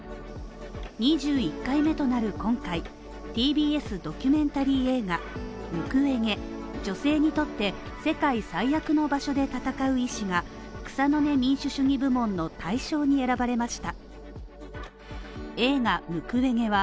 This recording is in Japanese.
２１回目となる今回、ＴＢＳドキュメンタリー映画上に女性にとって世界最悪の場所で戦う医師が草の根民主主義部門の大賞に選ばれました